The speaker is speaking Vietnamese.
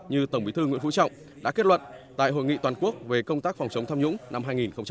như tổng bí thư nguyễn phú trọng đã kết luận tại hội nghị toàn quốc về công tác phòng chống tham nhũng năm hai nghìn một mươi chín